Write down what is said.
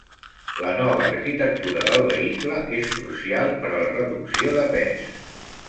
La nova arquitectura del vehicle és crucial per a la reducció de pes.